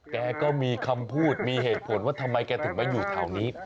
แกก็มีคำพูดมีเหตุผลว่าทำไมแกถึงมาอยู่แถวนี้